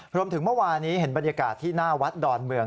เมื่อวานี้เห็นบรรยากาศที่หน้าวัดดอนเมือง